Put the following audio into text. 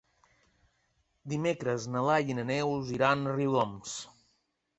Dimecres na Laia i na Neus iran a Riudoms.